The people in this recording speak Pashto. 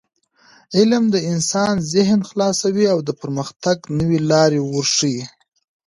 علم د انسان ذهن خلاصوي او د پرمختګ نوې لارې ورښيي.